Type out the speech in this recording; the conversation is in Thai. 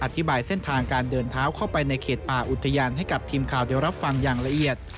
อธิบายเส้นทางการเดินเท้าเข้าไปในเขตป่าอุทยานให้กับทีมข่าวได้รับฟังอย่างละเอียด